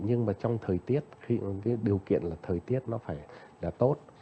nhưng mà trong thời tiết cái điều kiện là thời tiết nó phải là tốt